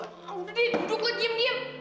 aku udah dihidup lo diam diam